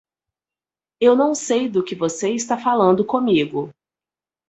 Eu não sei do que você está falando comigo.